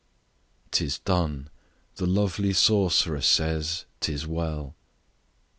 'Tis done: the lovely sorceress says 'tis well.